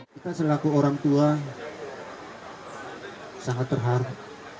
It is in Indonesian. kita selaku orang tua sangat terharu